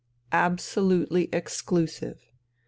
Absolutely exclusive.